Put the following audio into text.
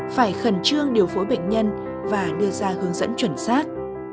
phải khẩn trương điều phối bệnh nhân và đưa ra hướng dẫn chuẩn xác